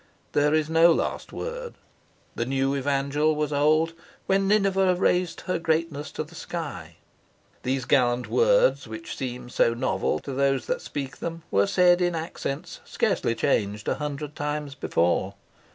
There is no last word. The new evangel was old when Nineveh reared her greatness to the sky. These gallant words which seem so novel to those that speak them were said in accents scarcely changed a hundred times before.